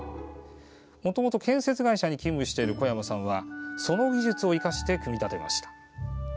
もともと建設会社に勤務している小山さんはその技術を生かして組み立てました。